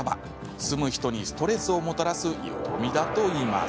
住む人にストレスをもたらすよどみだといいます。